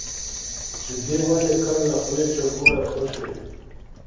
چي دي ولي کړ له خولې چرګوړی خوشي